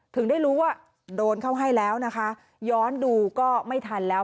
ถึงได้รู้ว่าโดนเข้าให้แล้วนะคะย้อนดูก็ไม่ทันแล้ว